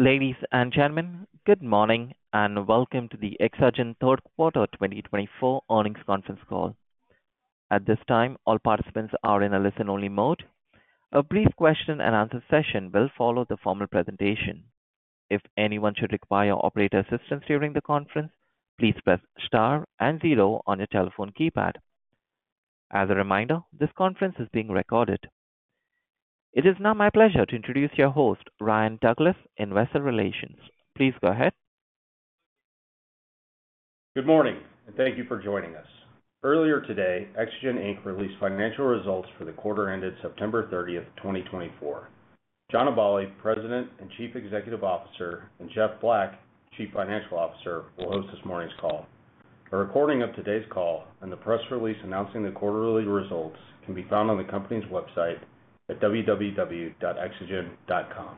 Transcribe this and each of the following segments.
Ladies and gentlemen, good morning and welcome to the Exagen third quarter 2024 earnings conference call. At this time, all participants are in a listen-only mode. A brief question-and-answer session will follow the formal presentation. If anyone should require operator assistance during the conference, please press star and zero on your telephone keypad. As a reminder, this conference is being recorded. It is now my pleasure to introduce your host, Ryan Douglas, Investor Relations. Please go ahead. Good morning, and thank you for joining us. Earlier today, Exagen Inc. released financial results for the quarter ended September 30, 2024. John Aballi, President and Chief Executive Officer, and Jeff Black, Chief Financial Officer, will host this morning's call. A recording of today's call and the press release announcing the quarterly results can be found on the company's website at www.exagen.com.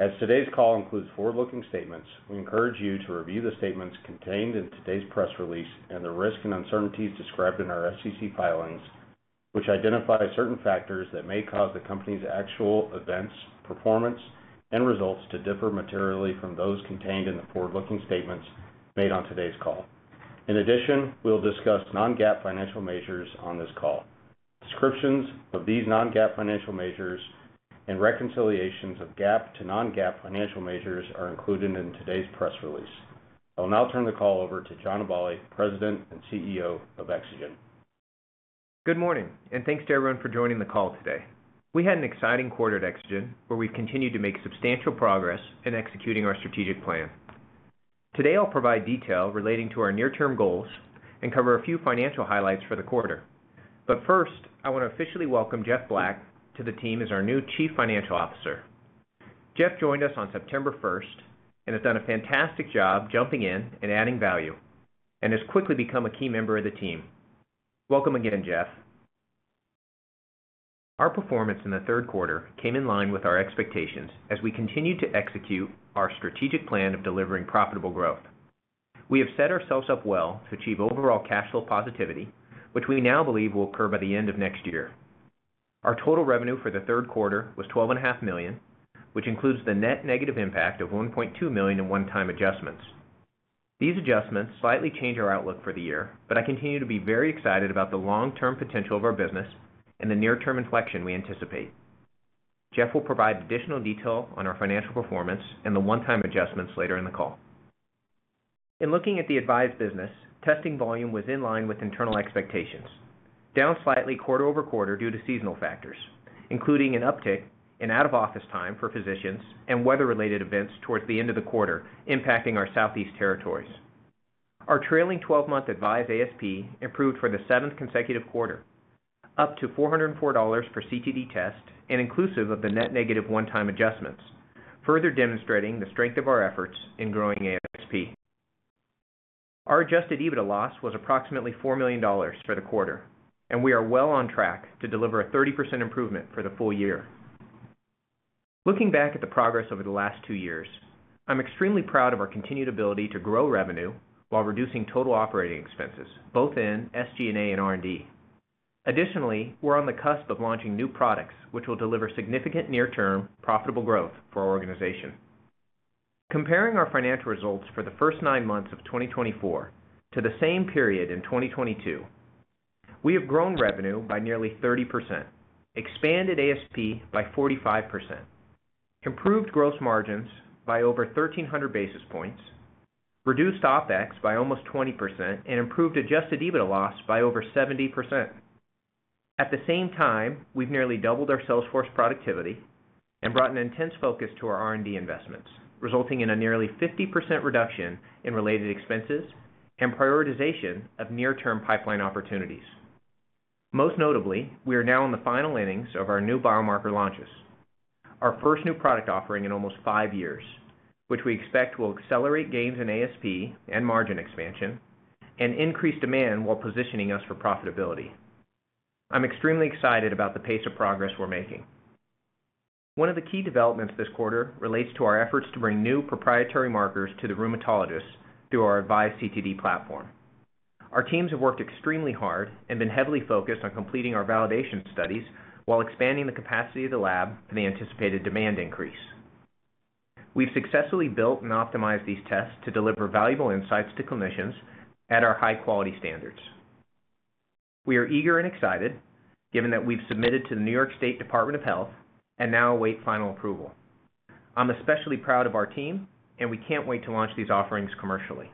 As today's call includes forward-looking statements, we encourage you to review the statements contained in today's press release and the risks and uncertainties described in our SEC filings, which identify certain factors that may cause the company's actual events, performance, and results to differ materially from those contained in the forward-looking statements made on today's call. In addition, we'll discuss non-GAAP financial measures on this call. Descriptions of these non-GAAP financial measures and reconciliations of GAAP to non-GAAP financial measures are included in today's press release. I'll now turn the call over to John Aballi, President and CEO of Exagen. Good morning, and thanks to everyone for joining the call today. We had an exciting quarter at Exagen, where we've continued to make substantial progress in executing our strategic plan. Today, I'll provide detail relating to our near-term goals and cover a few financial highlights for the quarter. But first, I want to officially welcome Jeff Black to the team as our new Chief Financial Officer. Jeff joined us on September 1 and has done a fantastic job jumping in and adding value, and has quickly become a key member of the team. Welcome again, Jeff. Our performance in the third quarter came in line with our expectations as we continued to execute our strategic plan of delivering profitable growth. We have set ourselves up well to achieve overall cash flow positivity, which we now believe will occur by the end of next year. Our total revenue for the third quarter was $12.5 million, which includes the net negative impact of $1.2 million in one-time adjustments. These adjustments slightly change our outlook for the year, but I continue to be very excited about the long-term potential of our business and the near-term inflection we anticipate. Jeff will provide additional detail on our financial performance and the one-time adjustments later in the call. In looking at the AVISE business, testing volume was in line with internal expectations, down slightly quarter over quarter due to seasonal factors, including an uptick in out-of-office time for physicians and weather-related events towards the end of the quarter impacting our Southeast territories. Our trailing 12-month AVISE ASP improved for the seventh consecutive quarter, up to $404 per CTD test and inclusive of the net negative one-time adjustments, further demonstrating the strength of our efforts in growing ASP. Our Adjusted EBITDA loss was approximately $4 million for the quarter, and we are well on track to deliver a 30% improvement for the full year. Looking back at the progress over the last two years, I'm extremely proud of our continued ability to grow revenue while reducing total operating expenses, both in SG&A and R&D. Additionally, we're on the cusp of launching new products, which will deliver significant near-term profitable growth for our organization. Comparing our financial results for the first nine months of 2024 to the same period in 2022, we have grown revenue by nearly 30%, expanded ASP by 45%, improved gross margins by over 1,300 basis points, reduced OpEx by almost 20%, and improved Adjusted EBITDA loss by over 70%. At the same time, we've nearly doubled our sales force productivity and brought an intense focus to our R&D investments, resulting in a nearly 50% reduction in related expenses and prioritization of near-term pipeline opportunities. Most notably, we are now in the final innings of our new biomarker launches, our first new product offering in almost five years, which we expect will accelerate gains in ASP and margin expansion and increase demand while positioning us for profitability. I'm extremely excited about the pace of progress we're making. One of the key developments this quarter relates to our efforts to bring new proprietary markers to the rheumatologists through our AVISE CTD platform. Our teams have worked extremely hard and been heavily focused on completing our validation studies while expanding the capacity of the lab for the anticipated demand increase. We've successfully built and optimized these tests to deliver valuable insights to clinicians at our high-quality standards. We are eager and excited, given that we've submitted to the New York State Department of Health and now await final approval. I'm especially proud of our team, and we can't wait to launch these offerings commercially.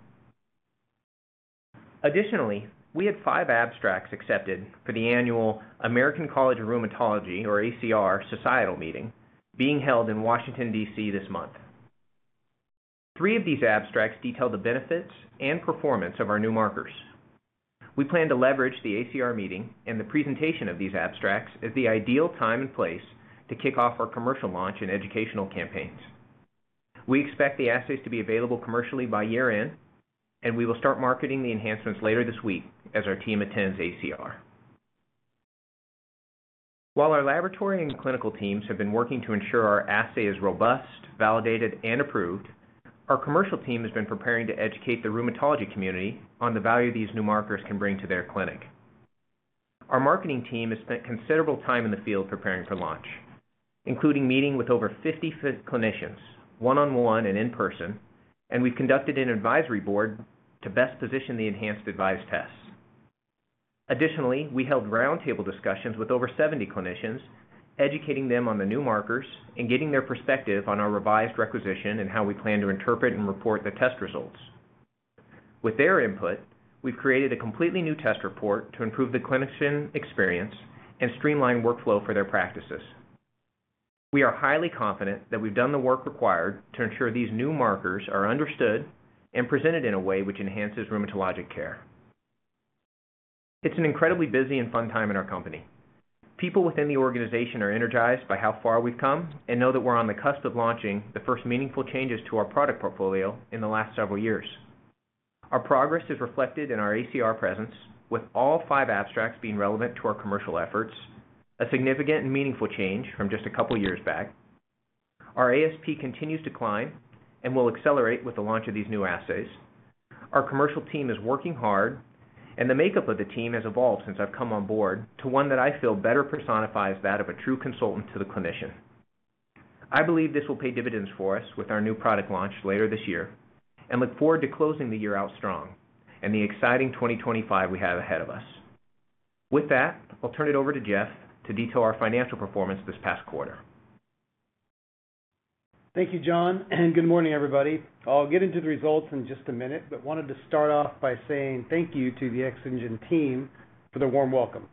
Additionally, we had five abstracts accepted for the annual American College of Rheumatology, or ACR, societal meeting being held in Washington, D.C., this month. Three of these abstracts detail the benefits and performance of our new markers. We plan to leverage the ACR meeting and the presentation of these abstracts as the ideal time and place to kick off our commercial launch and educational campaigns. We expect the assays to be available commercially by year-end, and we will start marketing the enhancements later this week as our team attends ACR. While our laboratory and clinical teams have been working to ensure our assay is robust, validated, and approved, our commercial team has been preparing to educate the rheumatology community on the value these new markers can bring to their clinic. Our marketing team has spent considerable time in the field preparing for launch, including meeting with over 50 clinicians, one-on-one and in person, and we've conducted an advisory board to best position the enhanced AVISE tests. Additionally, we held roundtable discussions with over 70 clinicians, educating them on the new markers and getting their perspective on our revised requisition and how we plan to interpret and report the test results. With their input, we've created a completely new test report to improve the clinician experience and streamline workflow for their practices. We are highly confident that we've done the work required to ensure these new markers are understood and presented in a way which enhances rheumatologic care. It's an incredibly busy and fun time in our company. People within the organization are energized by how far we've come and know that we're on the cusp of launching the first meaningful changes to our product portfolio in the last several years. Our progress is reflected in our ACR presence, with all five abstracts being relevant to our commercial efforts, a significant and meaningful change from just a couple of years back. Our ASP continues to climb and will accelerate with the launch of these new assays. Our commercial team is working hard, and the makeup of the team has evolved since I've come on board to one that I feel better personifies that of a true consultant to the clinician. I believe this will pay dividends for us with our new product launch later this year and look forward to closing the year out strong and the exciting 2025 we have ahead of us. With that, I'll turn it over to Jeff to detail our financial performance this past quarter. Thank you, John, and good morning, everybody. I'll get into the results in just a minute, but wanted to start off by saying thank you to the Exagen team for the warm welcome.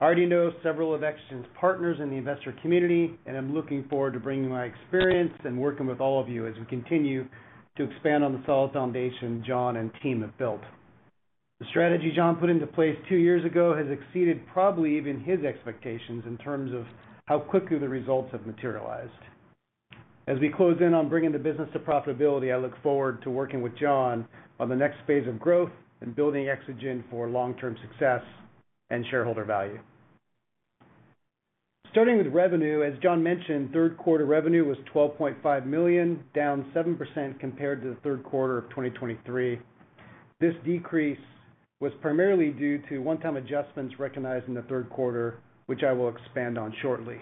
I already know several of Exagen's partners in the investor community, and I'm looking forward to bringing my experience and working with all of you as we continue to expand on the solid foundation John and team have built. The strategy John put into place two years ago has exceeded probably even his expectations in terms of how quickly the results have materialized. As we close in on bringing the business to profitability, I look forward to working with John on the next phase of growth and building Exagen for long-term success and shareholder value. Starting with revenue, as John mentioned, third quarter revenue was $12.5 million, down 7% compared to the third quarter of 2023. This decrease was primarily due to one-time adjustments recognized in the third quarter, which I will expand on shortly.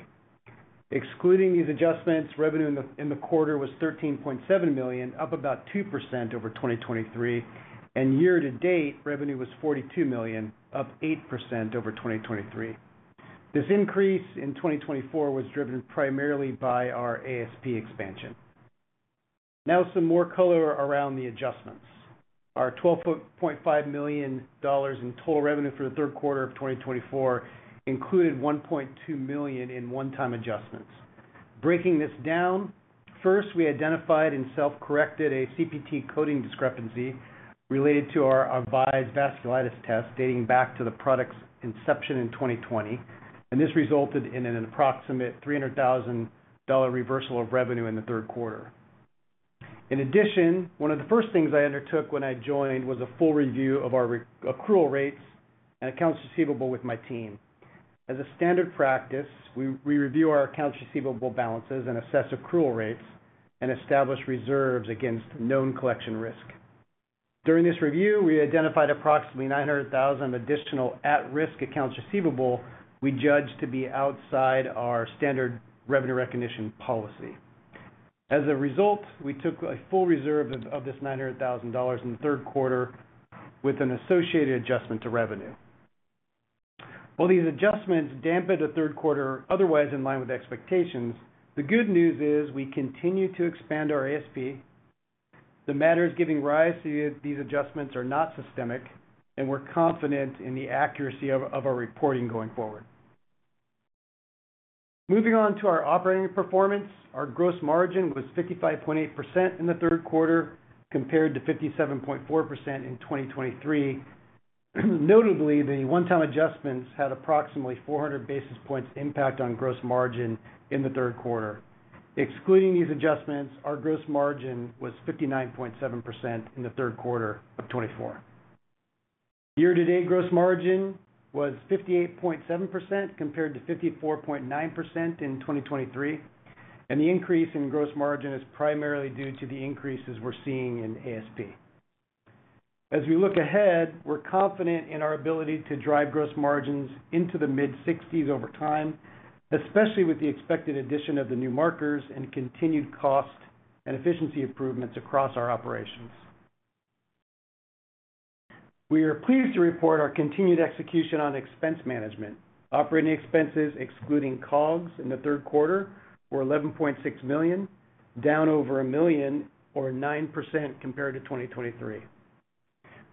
Excluding these adjustments, revenue in the quarter was $13.7 million, up about 2% over 2023, and year-to-date revenue was $42 million, up 8% over 2023. This increase in 2024 was driven primarily by our ASP expansion. Now, some more color around the adjustments. Our $12.5 million in total revenue for the third quarter of 2024 included $1.2 million in one-time adjustments. Breaking this down, first, we identified and self-corrected a CPT coding discrepancy related to our AVISE Vasculitis test dating back to the product's inception in 2020, and this resulted in an approximate $300,000 reversal of revenue in the third quarter. In addition, one of the first things I undertook when I joined was a full review of our accrual rates and accounts receivable with my team. As a standard practice, we review our accounts receivable balances and assess accrual rates and establish reserves against known collection risk. During this review, we identified approximately $900,000 of additional at-risk accounts receivable we judged to be outside our standard revenue recognition policy. As a result, we took a full reserve of this $900,000 in the third quarter with an associated adjustment to revenue. While these adjustments dampened the third quarter otherwise in line with expectations, the good news is we continue to expand our ASP. The matter is giving rise to these adjustments are not systemic, and we're confident in the accuracy of our reporting going forward. Moving on to our operating performance, our gross margin was 55.8% in the third quarter compared to 57.4% in 2023. Notably, the one-time adjustments had approximately 400 basis points impact on gross margin in the third quarter. Excluding these adjustments, our gross margin was 59.7% in the third quarter of 2024. Year-to-date gross margin was 58.7% compared to 54.9% in 2023, and the increase in gross margin is primarily due to the increases we're seeing in ASP. As we look ahead, we're confident in our ability to drive gross margins into the mid-60s over time, especially with the expected addition of the new markers and continued cost and efficiency improvements across our operations. We are pleased to report our continued execution on expense management. Operating expenses, excluding COGS, in the third quarter were $11.6 million, down over a million, or 9% compared to 2023.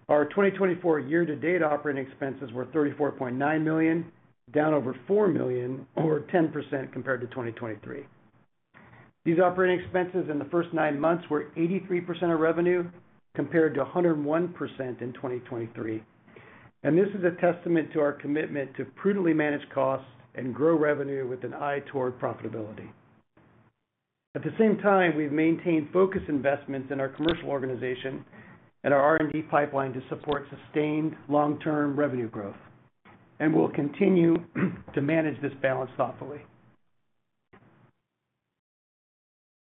Our 2024 year-to-date operating expenses were $34.9 million, down over $4 million, or 10% compared to 2023. These operating expenses in the first nine months were 83% of revenue compared to 101% in 2023, and this is a testament to our commitment to prudently manage costs and grow revenue with an eye toward profitability. At the same time, we've maintained focused investments in our commercial organization and our R&D pipeline to support sustained long-term revenue growth, and we'll continue to manage this balance thoughtfully.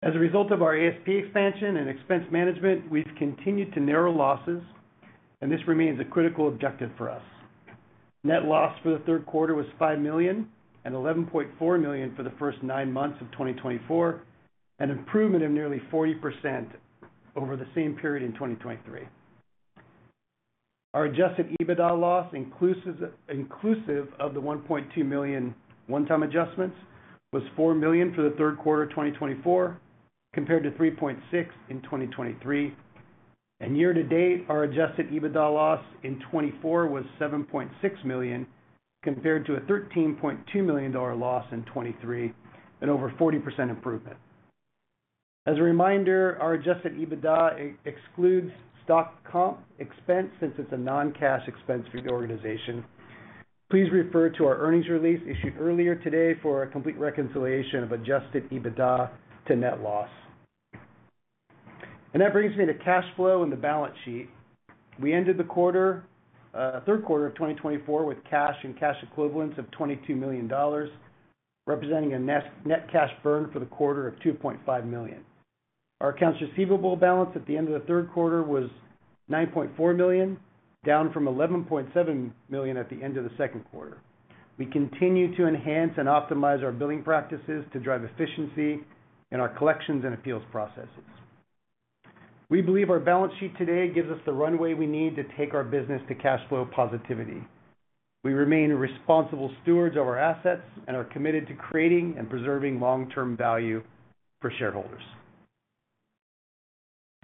As a result of our ASP expansion and expense management, we've continued to narrow losses, and this remains a critical objective for us. Net loss for the third quarter was $5 million and $11.4 million for the first nine months of 2024, an improvement of nearly 40% over the same period in 2023. Our Adjusted EBITDA loss, inclusive of the $1.2 million one-time adjustments, was $4 million for the third quarter of 2024 compared to $3.6 million in 2023. Year-to-date, our Adjusted EBITDA loss in 2024 was $7.6 million compared to a $13.2 million loss in 2023, an over 40% improvement. As a reminder, our Adjusted EBITDA excludes stock comp expense since it's a non-cash expense for the organization. Please refer to our earnings release issued earlier today for a complete reconciliation of Adjusted EBITDA to net loss. That brings me to cash flow and the balance sheet. We ended the third quarter of 2024 with cash and cash equivalents of $22 million, representing a net cash burn for the quarter of $2.5 million. Our accounts receivable balance at the end of the third quarter was $9.4 million, down from $11.7 million at the end of the second quarter. We continue to enhance and optimize our billing practices to drive efficiency in our collections and appeals processes. We believe our balance sheet today gives us the runway we need to take our business to cash flow positivity. We remain responsible stewards of our assets and are committed to creating and preserving long-term value for shareholders.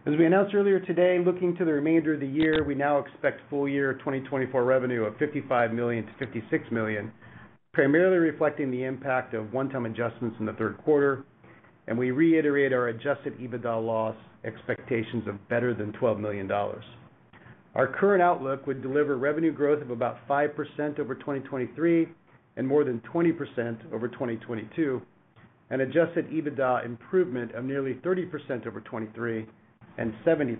As we announced earlier today, looking to the remainder of the year, we now expect full year 2024 revenue of $55 million-$56 million, primarily reflecting the impact of one-time adjustments in the third quarter, and we reiterate our Adjusted EBITDA loss expectations of better than $12 million. Our current outlook would deliver revenue growth of about 5% over 2023 and more than 20% over 2022, and adjusted EBITDA improvement of nearly 30% over 2023 and 70%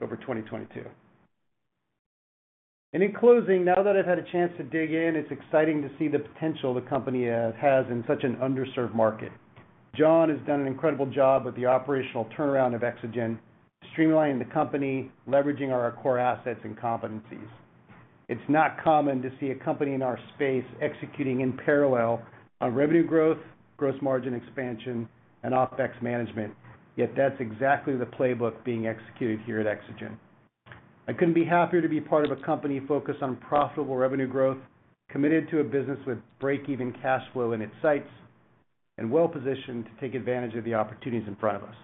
over 2022. In closing, now that I've had a chance to dig in, it's exciting to see the potential the company has in such an underserved market. John has done an incredible job with the operational turnaround of Exagen, streamlining the company, leveraging our core assets and competencies. It's not common to see a company in our space executing in parallel on revenue growth, gross margin expansion, and OpEx management, yet that's exactly the playbook being executed here at Exagen. I couldn't be happier to be part of a company focused on profitable revenue growth, committed to a business with break-even cash flow in its sights, and well-positioned to take advantage of the opportunities in front of us.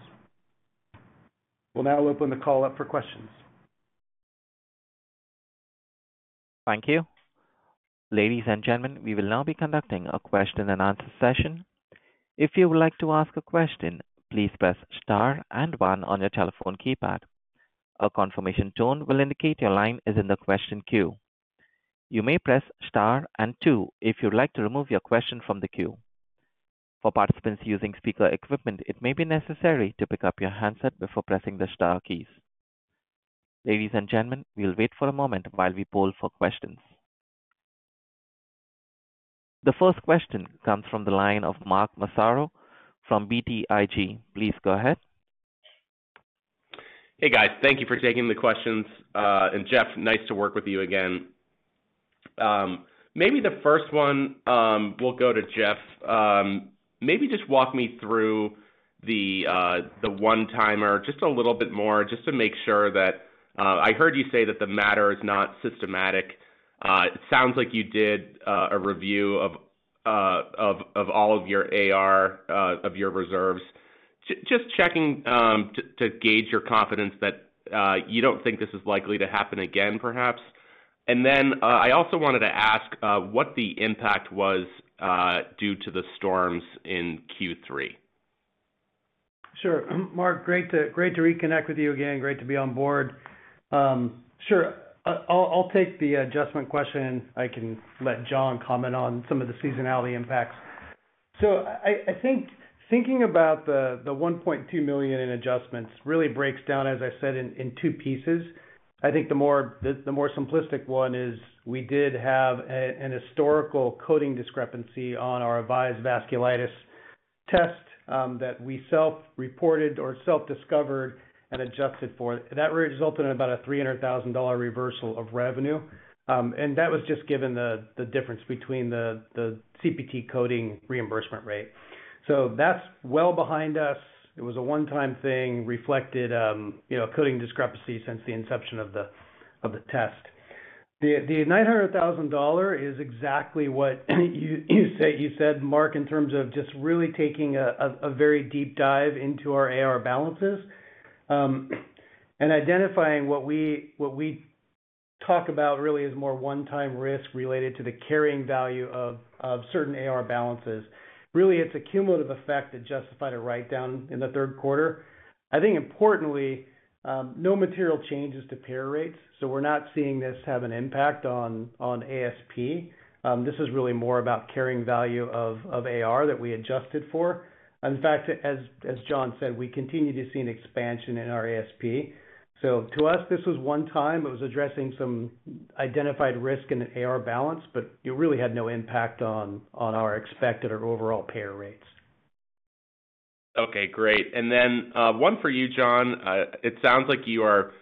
We'll now open the call up for questions. Thank you. Ladies and gentlemen, we will now be conducting a question-and-answer session. If you would like to ask a question, please press star and one on your telephone keypad. A confirmation tone will indicate your line is in the question queue. You may press star and two if you'd like to remove your question from the queue. For participants using speaker equipment, it may be necessary to pick up your handset before pressing the star keys. Ladies and gentlemen, we'll wait for a moment while we poll for questions. The first question comes from the line of Mark Massaro from BTIG. Please go ahead. Hey, guys. Thank you for taking the questions, and Jeff, nice to work with you again. Maybe the first one will go to Jeff. Maybe just walk me through the one-timer just a little bit more just to make sure that I heard you say that the matter is not systematic. It sounds like you did a review of all of your AR, of your reserves. Just checking to gauge your confidence that you don't think this is likely to happen again, perhaps, and then I also wanted to ask what the impact was due to the storms in Q3. Sure. Mark, great to reconnect with you again. Great to be on board. Sure. I'll take the adjustment question. I can let John comment on some of the seasonality impacts. So I think thinking about the $1.2 million in adjustments really breaks down, as I said, in two pieces. I think the more simplistic one is we did have a historical coding discrepancy on our AVISE Vasculitis test that we self-reported or self-discovered and adjusted for. That resulted in about a $300,000 reversal of revenue. And that was just given the difference between the CPT coding reimbursement rate. So that's well behind us. It was a one-time thing, reflected a coding discrepancy since the inception of the test. The $900,000 is exactly what you said, Mark, in terms of just really taking a very deep dive into our AR balances and identifying what we talk about really as more one-time risk related to the carrying value of certain AR balances. Really, it's a cumulative effect that justified a write-down in the third quarter. I think, importantly, no material changes to payer rates, so we're not seeing this have an impact on ASP. This is really more about carrying value of AR that we adjusted for. In fact, as John said, we continue to see an expansion in our ASP. So to us, this was one-time. It was addressing some identified risk in an AR balance, but it really had no impact on our expected or overall payer rates. Okay. Great. And then one for you, John. It sounds like you are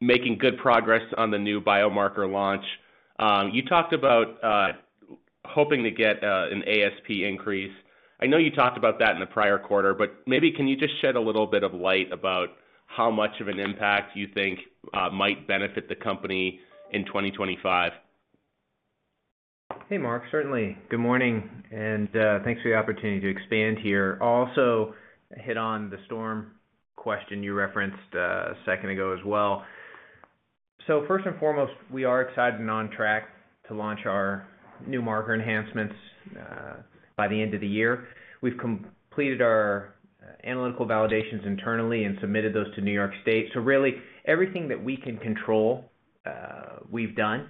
making good progress on the new biomarker launch. You talked about hoping to get an ASP increase. I know you talked about that in the prior quarter, but maybe can you just shed a little bit of light about how much of an impact you think might benefit the company in 2025? Hey, Mark. Certainly. Good morning, and thanks for the opportunity to expand here. I'll also hit on the storm question you referenced a second ago as well, so first and foremost, we are excited and on track to launch our new marker enhancements by the end of the year. We've completed our analytical validations internally and submitted those to New York State, so really, everything that we can control, we've done.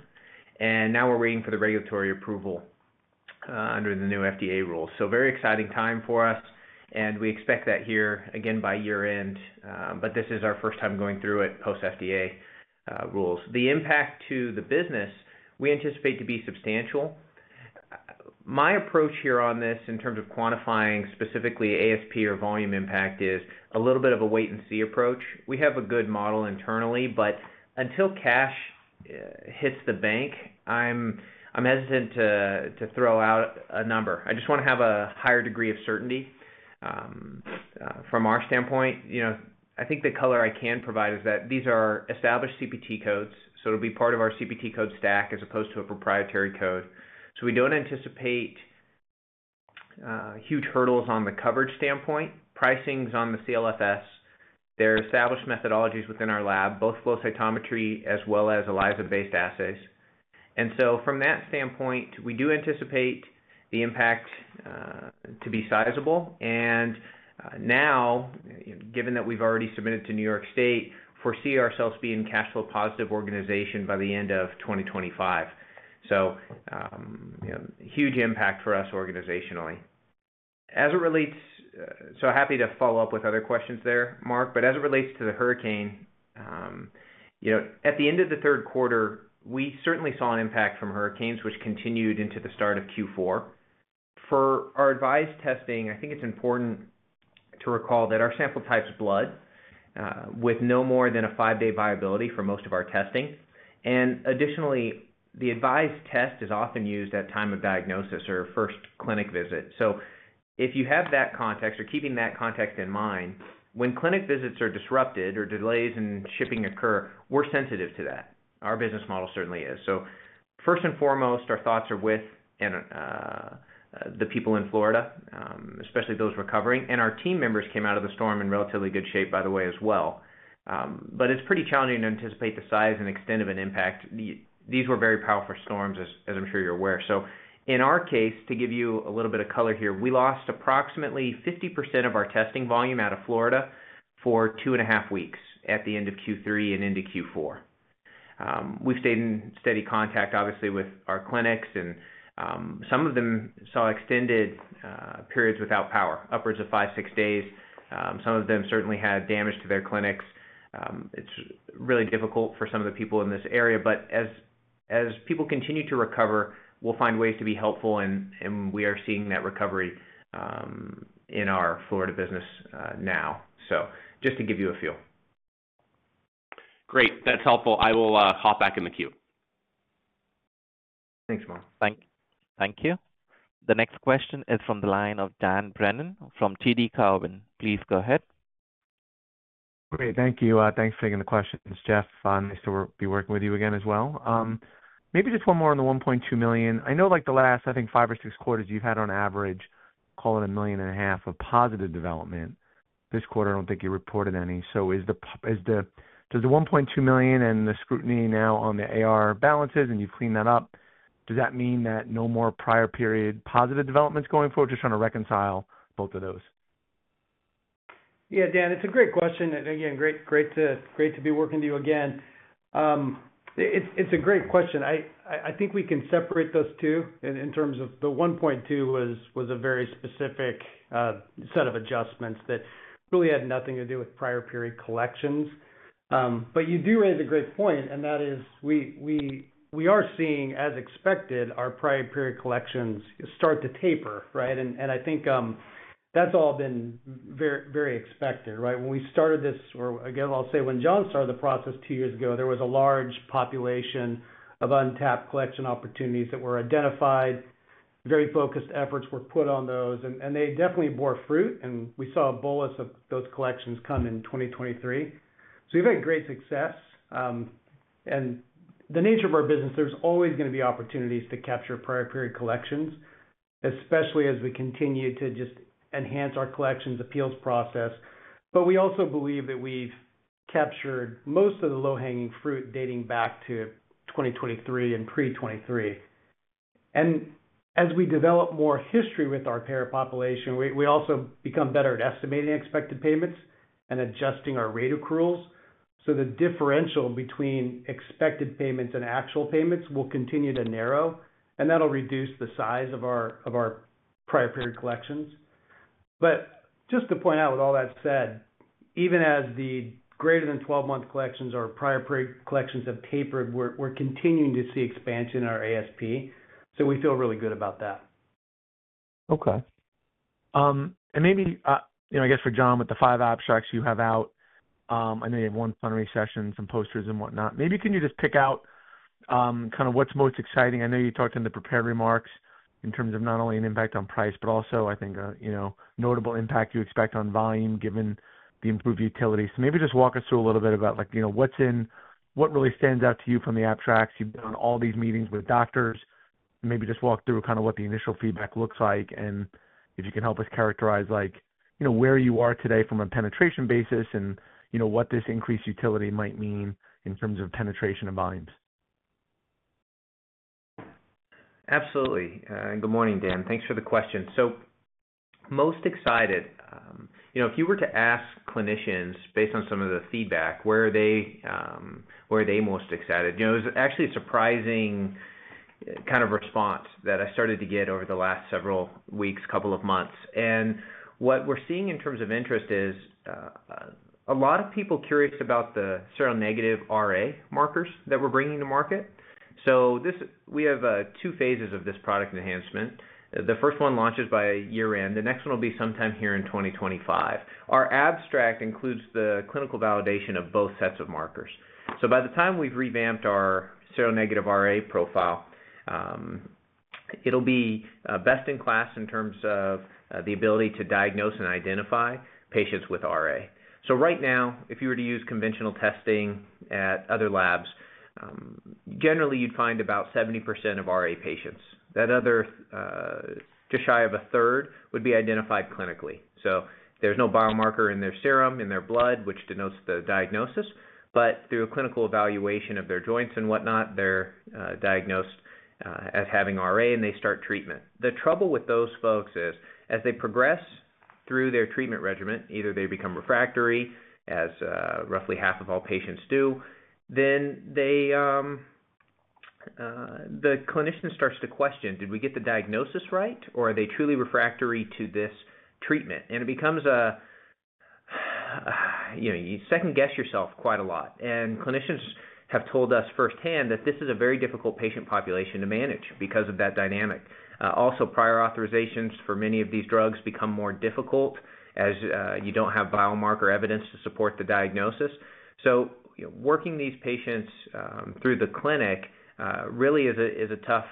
And now we're waiting for the regulatory approval under the new FDA rules, so very exciting time for us, and we expect that here, again, by year-end, but this is our first time going through it post-FDA rules. The impact to the business, we anticipate to be substantial. My approach here on this, in terms of quantifying specifically ASP or volume impact, is a little bit of a wait-and-see approach. We have a good model internally, but until cash hits the bank, I'm hesitant to throw out a number. I just want to have a higher degree of certainty from our standpoint. I think the color I can provide is that these are established CPT codes, so it'll be part of our CPT code stack as opposed to a proprietary code, so we don't anticipate huge hurdles on the coverage standpoint. Pricing's on the CLFS. There are established methodologies within our lab, both flow cytometry as well as ELISA-based assays, and so from that standpoint, we do anticipate the impact to be sizable and now, given that we've already submitted to New York State, we foresee ourselves being a cash flow positive organization by the end of 2025, so huge impact for us organizationally. So happy to follow up with other questions there, Mark, but as it relates to the hurricane, at the end of the third quarter, we certainly saw an impact from hurricanes, which continued into the start of Q4. For our AVISE testing, I think it's important to recall that our sample type is blood with no more than a five-day viability for most of our testing, and additionally, the AVISE test is often used at time of diagnosis or first clinic visit, so if you have that context or keeping that context in mind, when clinic visits are disrupted or delays in shipping occur, we're sensitive to that. Our business model certainly is, so first and foremost, our thoughts are with the people in Florida, especially those recovering, and our team members came out of the storm in relatively good shape, by the way, as well. But it's pretty challenging to anticipate the size and extent of an impact. These were very powerful storms, as I'm sure you're aware. So in our case, to give you a little bit of color here, we lost approximately 50% of our testing volume out of Florida for two and a half weeks at the end of Q3 and into Q4. We've stayed in steady contact, obviously, with our clinics, and some of them saw extended periods without power, upwards of five, six days. Some of them certainly had damage to their clinics. It's really difficult for some of the people in this area, but as people continue to recover, we'll find ways to be helpful, and we are seeing that recovery in our Florida business now. So just to give you a feel. Great. That's helpful. I will hop back in the queue. Thanks, Mark. Thank you. The next question is from the line of Dan Brennan from TD Cowen. Please go ahead. Great. Thank you. Thanks for taking the questions, Jeff. Nice to be working with you again as well. Maybe just one more on the $1.2 million. I know the last, I think, five or six quarters you've had on average, call it $1.5 million of positive development. This quarter, I don't think you reported any. So does the $1.2 million and the scrutiny now on the AR balances, and you've cleaned that up, does that mean that no more prior period positive developments going forward? Just trying to reconcile both of those. Yeah, Dan, it's a great question. And again, great to be working with you again. It's a great question. I think we can separate those two in terms of the $1.2 million was a very specific set of adjustments that really had nothing to do with prior period collections. But you do raise a great point, and that is we are seeing, as expected, our prior period collections start to taper, right? And I think that's all been very expected, right? When we started this, or again, I'll say when John started the process two years ago, there was a large population of untapped collection opportunities that were identified. Very focused efforts were put on those, and they definitely bore fruit, and we saw a bolus of those collections come in 2023. So we've had great success. And the nature of our business, there's always going to be opportunities to capture prior period collections, especially as we continue to just enhance our collections appeals process. But we also believe that we've captured most of the low-hanging fruit dating back to 2023 and pre-2023. And as we develop more history with our payer population, we also become better at estimating expected payments and adjusting our rate accruals. So the differential between expected payments and actual payments will continue to narrow, and that'll reduce the size of our prior period collections. But just to point out, with all that said, even as the greater than 12-month collections or prior period collections have tapered, we're continuing to see expansion in our ASP, so we feel really good about that. Okay. And maybe, I guess, for John, with the five abstracts you have out, I know you have one summary session, some posters, and whatnot. Maybe can you just pick out kind of what's most exciting? I know you talked in the prepared remarks in terms of not only an impact on price, but also, I think, a notable impact you expect on volume given the improved utility. So maybe just walk us through a little bit about what really stands out to you from the abstracts. You've been on all these meetings with doctors. Maybe just walk through kind of what the initial feedback looks like, and if you can help us characterize where you are today from a penetration basis and what this increased utility might mean in terms of penetration and volumes. Absolutely, and good morning, Dan. Thanks for the question, so most excited, if you were to ask clinicians based on some of the feedback, where are they most excited? It was actually a surprising kind of response that I started to get over the last several weeks, couple of months, and what we're seeing in terms of interest is a lot of people curious about the seronegative RA markers that we're bringing to market, so we have two phases of this product enhancement. The first one launches by year-end. The next one will be sometime here in 2025. Our abstract includes the clinical validation of both sets of markers, so by the time we've revamped our seronegative RA profile, it'll be best in class in terms of the ability to diagnose and identify patients with RA. So right now, if you were to use conventional testing at other labs, generally, you'd find about 70% of RA patients. That other just shy of a third would be identified clinically. So there's no biomarker in their serum, in their blood, which denotes the diagnosis, but through a clinical evaluation of their joints and whatnot, they're diagnosed as having RA, and they start treatment. The trouble with those folks is, as they progress through their treatment regimen, either they become refractory, as roughly half of all patients do, then the clinician starts to question, "Did we get the diagnosis right, or are they truly refractory to this treatment?" And it becomes a second guess yourself quite a lot. And clinicians have told us firsthand that this is a very difficult patient population to manage because of that dynamic. Also, prior authorizations for many of these drugs become more difficult as you don't have biomarker evidence to support the diagnosis, so working these patients through the clinic really is a tough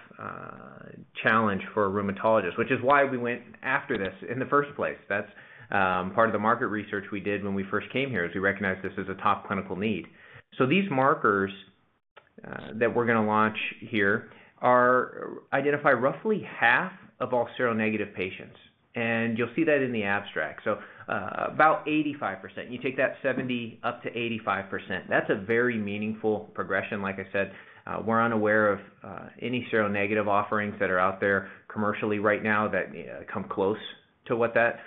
challenge for a rheumatologist, which is why we went after this in the first place. That's part of the market research we did when we first came here, as we recognized this as a top clinical need, so these markers that we're going to launch here identify roughly half of all seronegative patients, and you'll see that in the abstract, so about 85%. You take that 70% up to 85%. That's a very meaningful progression. Like I said, we're unaware of any seronegative offerings that are out there commercially right now that come close to what that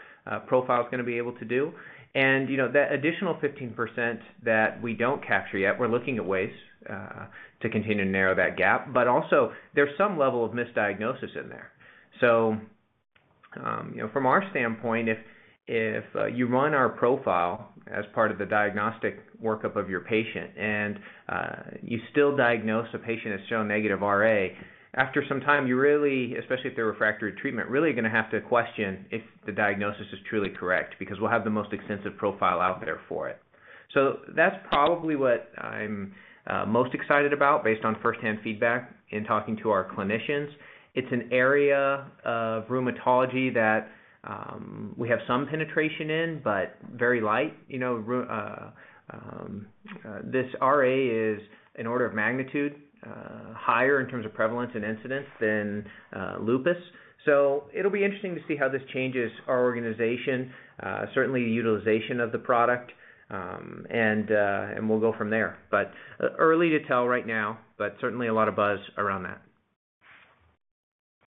profile is going to be able to do. That additional 15% that we don't capture yet, we're looking at ways to continue to narrow that gap. But also, there's some level of misdiagnosis in there. From our standpoint, if you run our profile as part of the diagnostic workup of your patient and you still diagnose a patient as seronegative RA, after some time, you're really, especially if they're refractory to treatment, really going to have to question if the diagnosis is truly correct because we'll have the most extensive profile out there for it. That's probably what I'm most excited about based on firsthand feedback in talking to our clinicians. It's an area of rheumatology that we have some penetration in, but very light. This RA is, in order of magnitude, higher in terms of prevalence and incidence than lupus. So it'll be interesting to see how this changes our organization, certainly the utilization of the product, and we'll go from there. But it's early to tell right now, but certainly a lot of buzz around that.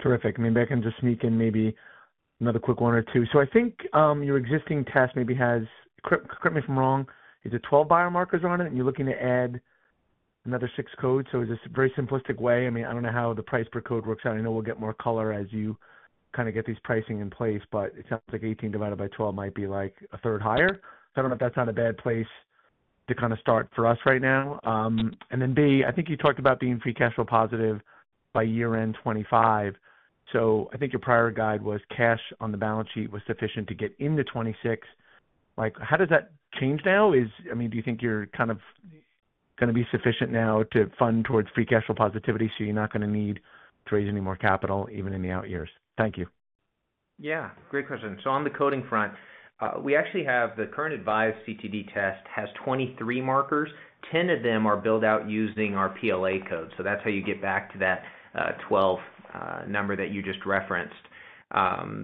Terrific. I mean, maybe I can just sneak in maybe another quick one or two. So I think your existing test maybe has, correct me if I'm wrong, is it 12 biomarkers on it, and you're looking to add another six codes? So is this a very simplistic way? I mean, I don't know how the price per code works out. I know we'll get more color as you kind of get these pricing in place, but it sounds like 18 divided by 12 might be like a third higher. So I don't know if that's not a bad place to kind of start for us right now. And then B, I think you talked about being free cash flow positive by year-end 2025. So I think your prior guide was cash on the balance sheet was sufficient to get into 2026. How does that change now? I mean, do you think you're kind of going to be sufficient now to fund towards free cash flow positivity so you're not going to need to raise any more capital even in the out years? Thank you. Yeah. Great question. So on the coding front, we actually have the current AVISE CTD test has 23 markers. 10 of them are built out using our PLA code. So that's how you get back to that 12 number that you just referenced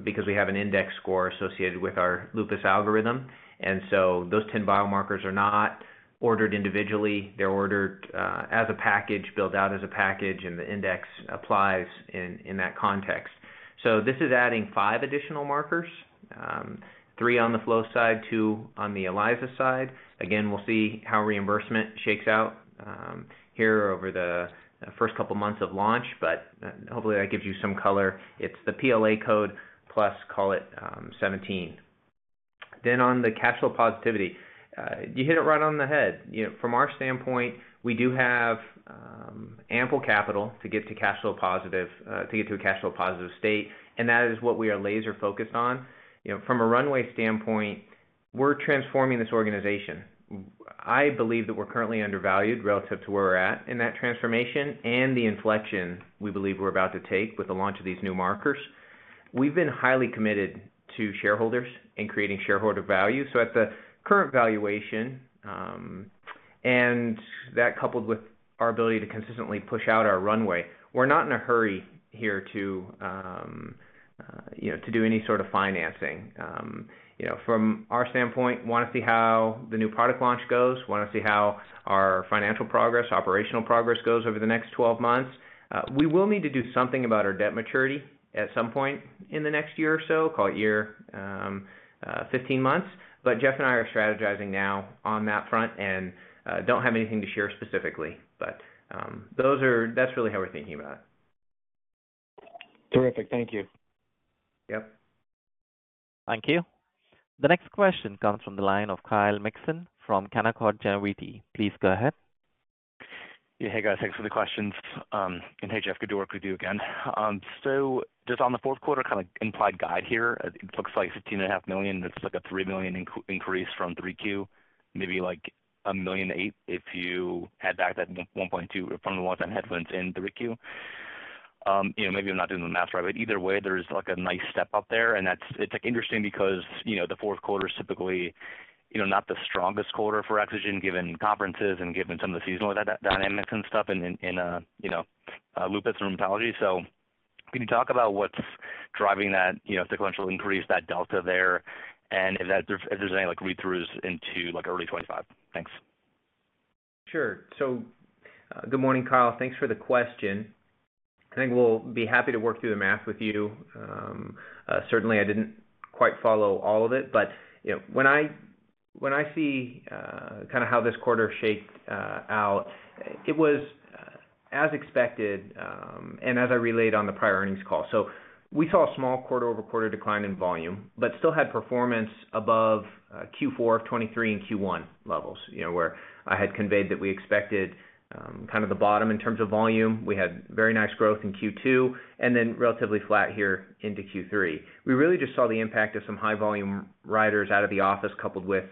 because we have an index score associated with our lupus algorithm. And so those 10 biomarkers are not ordered individually. They're ordered as a package, built out as a package, and the index applies in that context. So this is adding five additional markers: three on the flow side, two on the ELISA side. Again, we'll see how reimbursement shakes out here over the first couple of months of launch, but hopefully, that gives you some color. It's the PLA code plus call it 17. Then on the cash flow positivity, you hit it right on the head. From our standpoint, we do have ample capital to get to cash flow positive, to get to a cash flow positive state, and that is what we are laser-focused on. From a runway standpoint, we're transforming this organization. I believe that we're currently undervalued relative to where we're at in that transformation and the inflection we believe we're about to take with the launch of these new markers. We've been highly committed to shareholders and creating shareholder value. So at the current valuation and that coupled with our ability to consistently push out our runway, we're not in a hurry here to do any sort of financing. From our standpoint, want to see how the new product launch goes. Want to see how our financial progress, operational progress goes over the next 12 months. We will need to do something about our debt maturity at some point in the next year or so, call it year, 15 months. But Jeff and I are strategizing now on that front and don't have anything to share specifically. But that's really how we're thinking about it. Terrific. Thank you. Yep. Thank you. The next question comes from the line of Kyle Mikson from Canaccord Genuity. Please go ahead. Yeah. Hey, guys. Thanks for the questions. And hey, Jeff, good to work with you again. So just on the fourth quarter kind of implied guide here, it looks like $16.5 million. It's like a $3 million increase from 3Q, maybe like $1.8 million if you add back that $1.2 million from the one-time headwinds in 3Q. Maybe I'm not doing the math right, but either way, there is like a nice step up there. And it's interesting because the fourth quarter is typically not the strongest quarter for Exagen given conferences and given some of the seasonal dynamics and stuff in lupus and rheumatology. So can you talk about what's driving that sequential increase, that delta there, and if there's any read-throughs into early 2025? Thanks. Sure. So good morning, Kyle. Thanks for the question. I think we'll be happy to work through the math with you. Certainly, I didn't quite follow all of it, but when I see kind of how this quarter shaped out, it was as expected and as I relayed on the prior earnings call. So we saw a small quarter-over-quarter decline in volume, but still had performance above Q4 of 2023 and Q1 levels, where I had conveyed that we expected kind of the bottom in terms of volume. We had very nice growth in Q2 and then relatively flat here into Q3. We really just saw the impact of some high-volume riders out of the office coupled with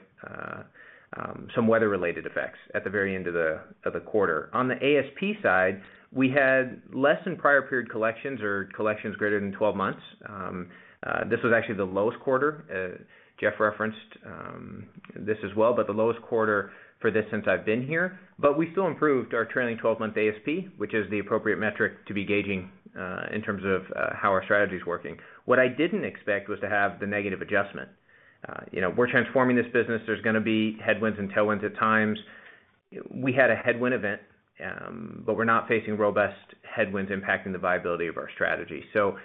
some weather-related effects at the very end of the quarter. On the ASP side, we had less than prior-period collections or collections greater than 12 months. This was actually the lowest quarter. Jeff referenced this as well, but the lowest quarter for this since I've been here. But we still improved our trailing 12-month ASP, which is the appropriate metric to be gauging in terms of how our strategy is working. What I didn't expect was to have the negative adjustment. We're transforming this business. There's going to be headwinds and tailwinds at times. We had a headwind event, but we're not facing robust headwinds impacting the viability of our strategy. So,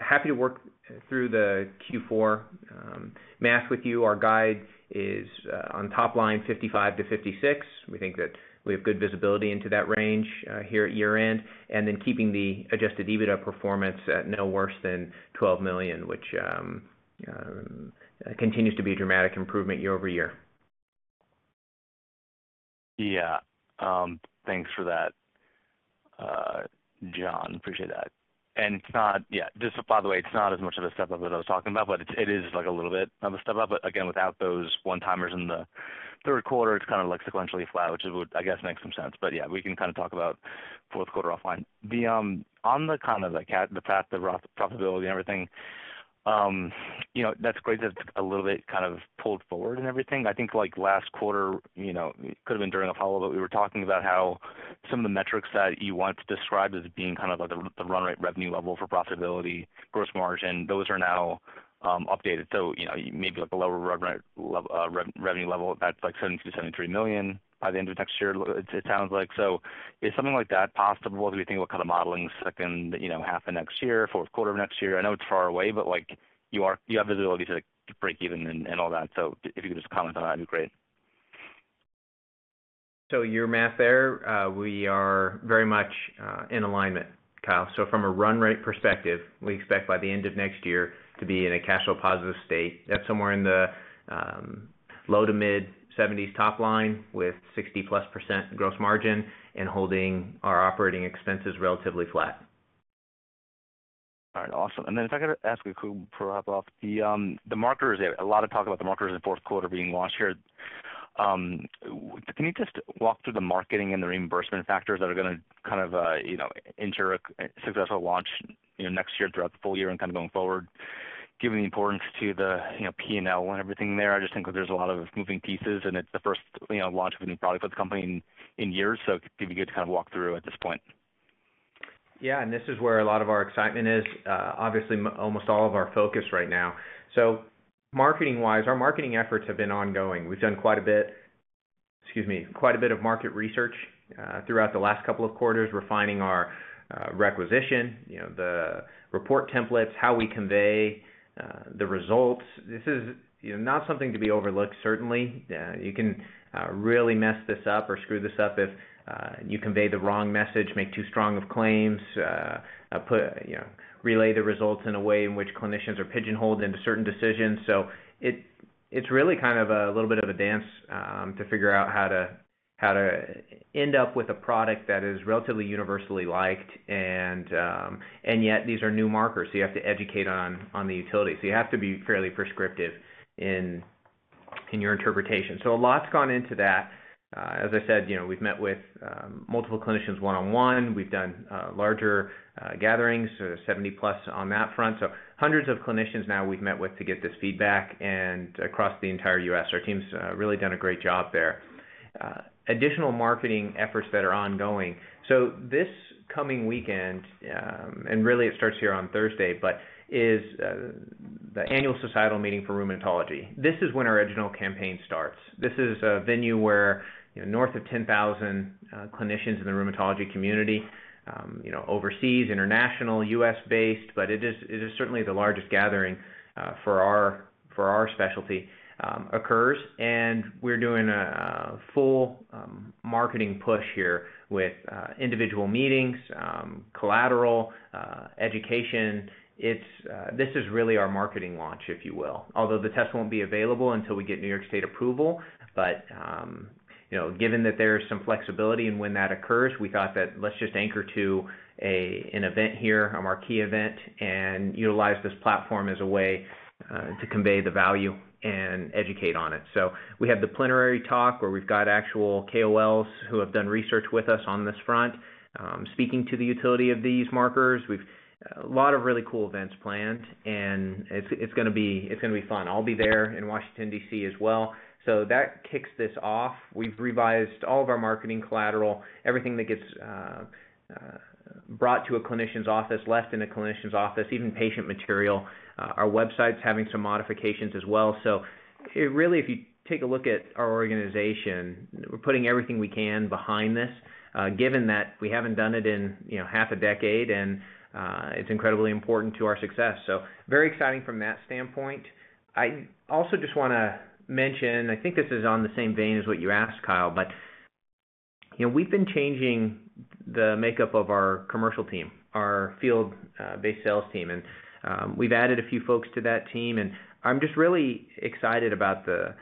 happy to work through the Q4 math with you. Our guide is on top line $55 million-$56 million. We think that we have good visibility into that range here at year-end and then keeping the Adjusted EBITDA performance at no worse than $12 million, which continues to be a dramatic improvement year over year. Yeah. Thanks for that, John. Appreciate that. And yeah, just by the way, it's not as much of a step up as I was talking about, but it is like a little bit of a step up. But again, without those one-timers in the third quarter, it's kind of like sequentially flat, which I guess makes some sense. But yeah, we can kind of talk about fourth quarter offline. On the kind of the fact of probability and everything, that's great that it's a little bit kind of pulled forward and everything. I think last quarter could have been during a follow-up, but we were talking about how some of the metrics that you want to describe as being kind of like the run rate revenue level for profitability, gross margin, those are now updated. So maybe like a lower revenue level at like $70 million-$73 million by the end of next year, it sounds like. So is something like that possible as we think about kind of modeling second half of next year, fourth quarter of next year? I know it's far away, but you have visibility to break even and all that. So if you could just comment on that, it'd be great. So your math there, we are very much in alignment, Kyle. So from a run rate perspective, we expect by the end of next year to be in a cash flow positive state. That's somewhere in the low-to-mid 70s top line with 60-plus% gross margin and holding our operating expenses relatively flat. All right. Awesome. And then if I could ask a quick wrap-up, the markers, a lot of talk about the markers in fourth quarter being launched here. Can you just walk through the marketing and the reimbursement factors that are going to kind of ensure a successful launch next year throughout the full year and kind of going forward, given the importance to the P&L and everything there? I just think there's a lot of moving pieces, and it's the first launch of a new product for the company in years. So it'd be good to kind of walk through at this point. Yeah, and this is where a lot of our excitement is, obviously almost all of our focus right now, so marketing-wise, our marketing efforts have been ongoing. We've done quite a bit, excuse me, quite a bit of market research throughout the last couple of quarters, refining our requisition, the report templates, how we convey the results. This is not something to be overlooked, certainly. You can really mess this up or screw this up if you convey the wrong message, make too strong of claims, relay the results in a way in which clinicians are pigeonholed into certain decisions. So it's really kind of a little bit of a dance to figure out how to end up with a product that is relatively universally liked, and yet, these are new markers, so you have to educate on the utility. So you have to be fairly prescriptive in your interpretation. So a lot's gone into that. As I said, we've met with multiple clinicians one-on-one. We've done larger gatherings, so 70-plus on that front. So hundreds of clinicians now we've met with to get this feedback across the entire U.S. Our team's really done a great job there. Additional marketing efforts that are ongoing. So this coming weekend, and really it starts here on Thursday, but is the annual societal meeting for rheumatology. This is when our original campaign starts. This is a venue where north of 10,000 clinicians in the rheumatology community overseas, international, U.S.-based, but it is certainly the largest gathering for our specialty occurs. And we're doing a full marketing push here with individual meetings, collateral, education. This is really our marketing launch, if you will. Although the test won't be available until we get New York State approval, but given that there's some flexibility in when that occurs, we thought that let's just anchor to an event here, our key event, and utilize this platform as a way to convey the value and educate on it, so we have the plenary talk where we've got actual KOLs who have done research with us on this front, speaking to the utility of these markers. We've got a lot of really cool events planned, and it's going to be fun. I'll be there in Washington, D.C. as well, so that kicks this off. We've revised all of our marketing collateral, everything that gets brought to a clinician's office, left in a clinician's office, even patient material. Our website's having some modifications as well. So really, if you take a look at our organization, we're putting everything we can behind this, given that we haven't done it in half a decade, and it's incredibly important to our success. So very exciting from that standpoint. I also just want to mention, I think this is on the same vein as what you asked, Kyle, but we've been changing the makeup of our commercial team, our field-based sales team. And we've added a few folks to that team, and I'm just really excited about the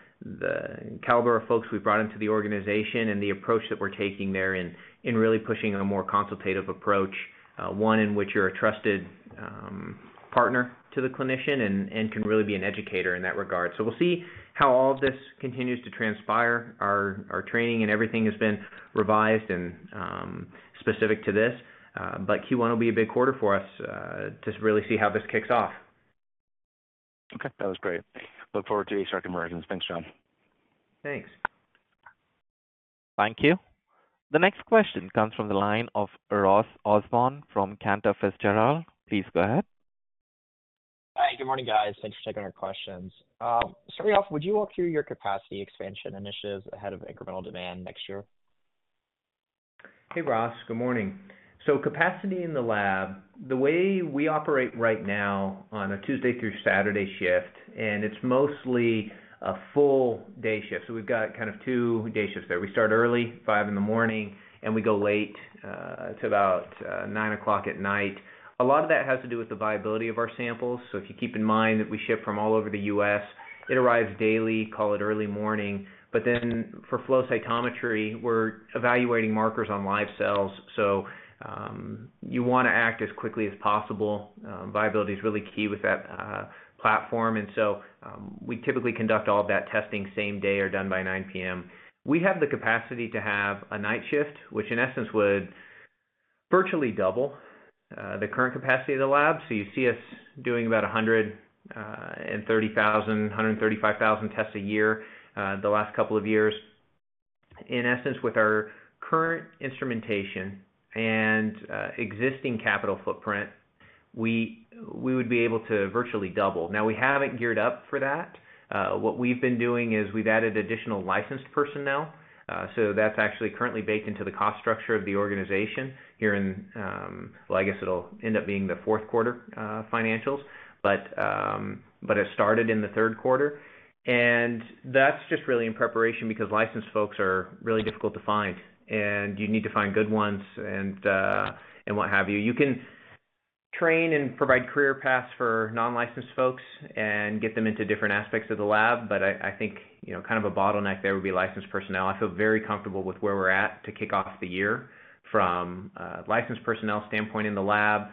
caliber of folks we've brought into the organization and the approach that we're taking there in really pushing a more consultative approach, one in which you're a trusted partner to the clinician and can really be an educator in that regard. So we'll see how all of this continues to transpire. Our training and everything has been revised and specific to this, but Q1 will be a big quarter for us to really see how this kicks off. Okay. That was great. Look forward to seeing you at Convergence. Thanks, John. Thanks. Thank you. The next question comes from the line of Ross Osborn from Cantor Fitzgerald. Please go ahead. Hi. Good morning, guys. Thanks for taking our questions. Starting off, would you walk through your capacity expansion initiatives ahead of incremental demand next year? Hey, Ross. Good morning. So capacity in the lab, the way we operate right now on a Tuesday through Saturday shift, and it's mostly a full-day shift. So we've got kind of two day shifts there. We start early, 5:00 A.M., and we go late to about 9:00 P.M. A lot of that has to do with the viability of our samples. So if you keep in mind that we ship from all over the U.S., it arrives daily, call it early morning. But then for flow cytometry, we're evaluating markers on live cells. So you want to act as quickly as possible. Viability is really key with that platform. And so we typically conduct all of that testing same day or done by 9:00 P.M. We have the capacity to have a night shift, which in essence would virtually double the current capacity of the lab. So you see us doing about 130,000, 135,000 tests a year the last couple of years. In essence, with our current instrumentation and existing capital footprint, we would be able to virtually double. Now, we haven't geared up for that. What we've been doing is we've added additional licensed personnel. So that's actually currently baked into the cost structure of the organization here in, well, I guess it'll end up being the fourth quarter financials, but it started in the third quarter. And that's just really in preparation because licensed folks are really difficult to find, and you need to find good ones and what have you. You can train and provide career paths for non-licensed folks and get them into different aspects of the lab, but I think kind of a bottleneck there would be licensed personnel. I feel very comfortable with where we're at to kick off the year from a licensed personnel standpoint in the lab,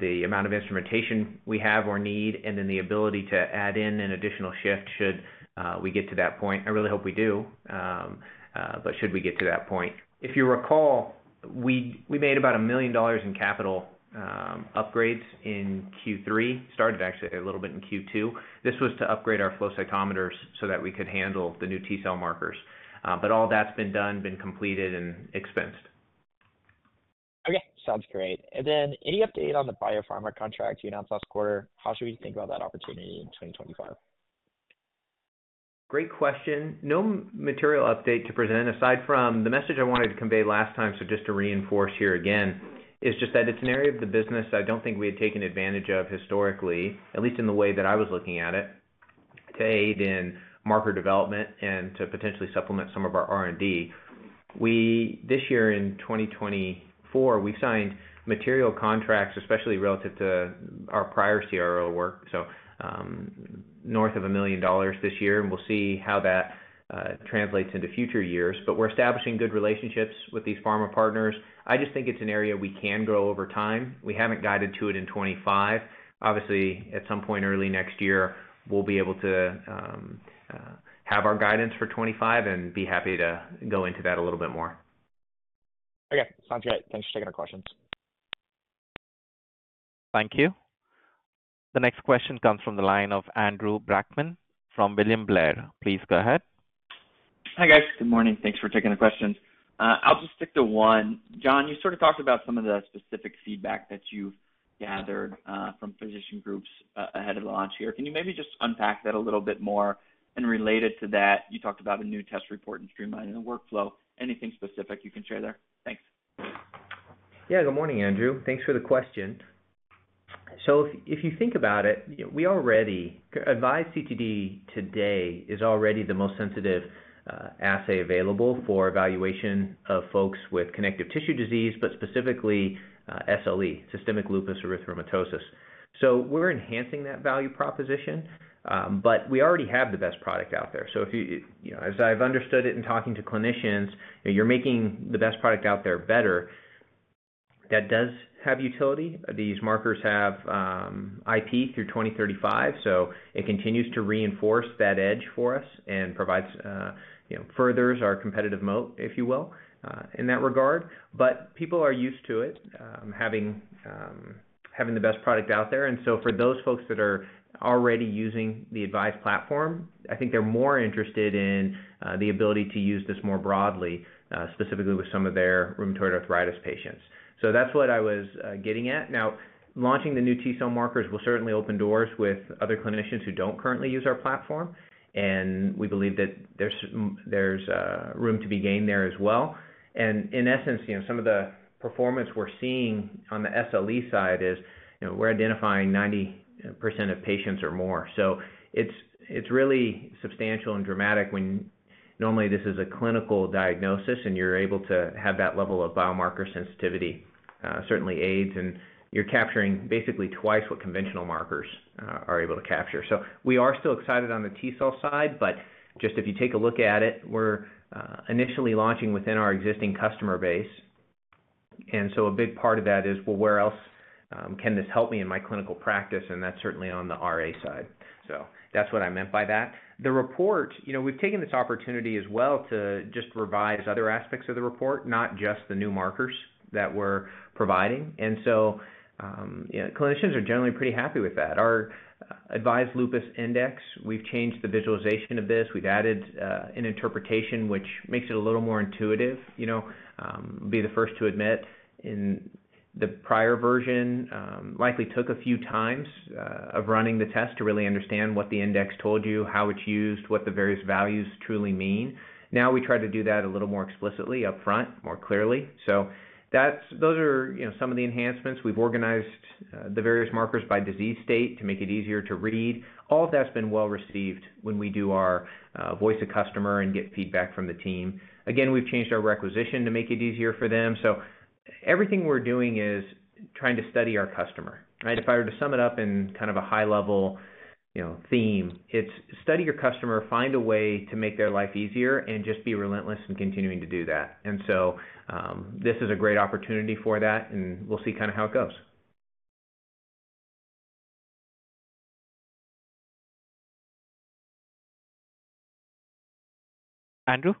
the amount of instrumentation we have or need, and then the ability to add in an additional shift should we get to that point. I really hope we do, but should we get to that point. If you recall, we made about $1 million in capital upgrades in Q3, started actually a little bit in Q2. This was to upgrade our flow cytometers so that we could handle the new T-cell markers. But all that's been done, been completed, and expensed. Okay. Sounds great. And then any update on the biopharma contract you announced last quarter? How should we think about that opportunity in 2025? Great question. No material update to present aside from the message I wanted to convey last time, so just to reinforce here again, is just that it's an area of the business I don't think we had taken advantage of historically, at least in the way that I was looking at it, to aid in marker development and to potentially supplement some of our R&D. This year in 2024, we've signed material contracts, especially relative to our prior CRO work, so north of $1 million this year, and we'll see how that translates into future years, but we're establishing good relationships with these pharma partners. I just think it's an area we can grow over time. We haven't guided to it in 2025. Obviously, at some point early next year, we'll be able to have our guidance for 2025 and be happy to go into that a little bit more. Okay. Sounds great. Thanks for taking our questions. Thank you. The next question comes from the line of Andrew Brackmann from William Blair. Please go ahead. Hi guys. Good morning. Thanks for taking the questions. I'll just stick to one. John, you sort of talked about some of the specific feedback that you've gathered from physician groups ahead of the launch here. Can you maybe just unpack that a little bit more? And related to that, you talked about a new test report and streamlining the workflow. Anything specific you can share there? Thanks. Yeah. Good morning, Andrew. Thanks for the question. So if you think about it, we already AVISE CTD today is already the most sensitive assay available for evaluation of folks with connective tissue disease, but specifically SLE, systemic lupus erythematosus. So we're enhancing that value proposition, but we already have the best product out there. So as I've understood it in talking to clinicians, you're making the best product out there better. That does have utility. These markers have IP through 2035, so it continues to reinforce that edge for us and furthers our competitive moat, if you will, in that regard. But people are used to it, having the best product out there. And so for those folks that are already using the AVISE platform, I think they're more interested in the ability to use this more broadly, specifically with some of their rheumatoid arthritis patients. So that's what I was getting at. Now, launching the new T-cell markers will certainly open doors with other clinicians who don't currently use our platform, and we believe that there's room to be gained there as well. And in essence, some of the performance we're seeing on the SLE side is we're identifying 90% of patients or more. So it's really substantial and dramatic when normally this is a clinical diagnosis and you're able to have that level of biomarker sensitivity certainly aids, and you're capturing basically twice what conventional markers are able to capture. So we are still excited on the T-cell side, but just if you take a look at it, we're initially launching within our existing customer base. And so a big part of that is, well, where else can this help me in my clinical practice? And that's certainly on the RA side. So that's what I meant by that. The report, we've taken this opportunity as well to just revise other aspects of the report, not just the new markers that we're providing. And so clinicians are generally pretty happy with that. Our AVISE Lupus Index, we've changed the visualization of this. We've added an interpretation, which makes it a little more intuitive. Be the first to admit, in the prior version, likely took a few times of running the test to really understand what the index told you, how it's used, what the various values truly mean. Now we try to do that a little more explicitly upfront, more clearly. So those are some of the enhancements. We've organized the various markers by disease state to make it easier to read. All of that's been well received when we do our Voice of Customer and get feedback from the team. Again, we've changed our requisition to make it easier for them. So everything we're doing is trying to study our customer. If I were to sum it up in kind of a high-level theme, it's study your customer, find a way to make their life easier, and just be relentless in continuing to do that. And so this is a great opportunity for that, and we'll see kind of how it goes. Andrew,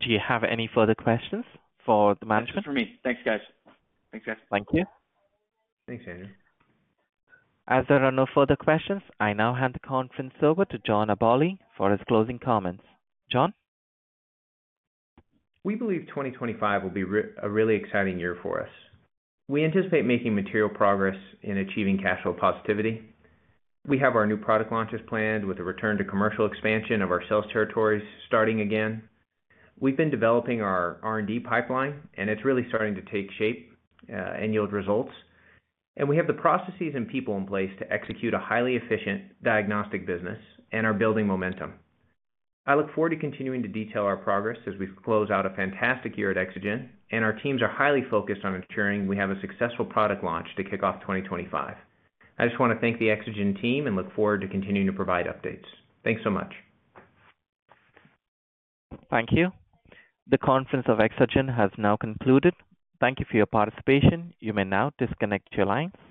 do you have any further questions for the management? Just for me. Thanks, guys. Thanks, guys. Thank you. Thanks, Andrew. As there are no further questions, I now hand the conference over to John Aballi for his closing comments. John? We believe 2025 will be a really exciting year for us. We anticipate making material progress in achieving cash flow positivity. We have our new product launches planned with a return to commercial expansion of our sales territories starting again. We've been developing our R&D pipeline, and it's really starting to take shape and yield results. We have the processes and people in place to execute a highly efficient diagnostic business and are building momentum. I look forward to continuing to detail our progress as we close out a fantastic year at Exagen, and our teams are highly focused on ensuring we have a successful product launch to kick off 2025. I just want to thank the Exagen team and look forward to continuing to provide updates. Thanks so much. Thank you. The conference of Exagen has now concluded. Thank you for your participation. You may now disconnect your lines.